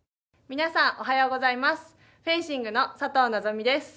皆さん、おはようございますフェンシングの佐藤希望です。